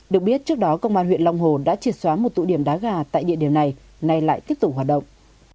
được biết trước đó công an huyện long hồ đã triệt xóa một tụ điểm đá gà tại địa điểm này nay lại tiếp tục hoạt động